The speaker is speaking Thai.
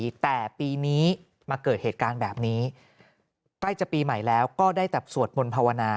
แต่ปีนี้มาเกิดเหตุการณ์แบบนี้ใกล้จะปีใหม่แล้วก็ได้แต่สวดมนต์ภาวนา